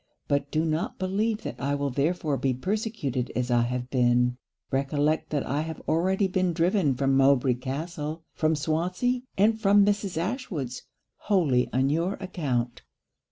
But do not believe that I will therefore be persecuted as I have been; recollect that I have already been driven from Mowbray Castle, from Swansea, and from Mrs. Ashwood's, wholly on your account.'